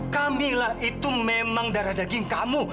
kamilah itu memang darah daging kamu